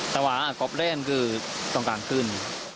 แต่ว่ากลับเล่นก็ต้องกลางคืน